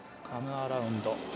カムアラウンド。